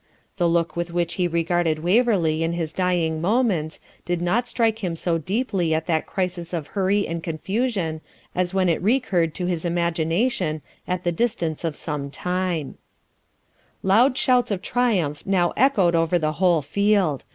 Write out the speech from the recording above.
The look with which he regarded Waverley in his dying moments did not strike him so deeply at that crisis of hurry and confusion as when it recurred to his imagination at the distance of some time. [Footnote: See Note 8.] Loud shouts of triumph now echoed over the whole field.